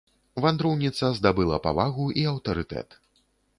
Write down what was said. Вандроўніца здабыла павагу і аўтарытэт.